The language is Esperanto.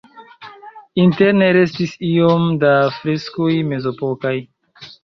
Interne restis iom da freskoj mezepokaj.